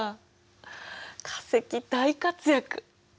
化石大活躍！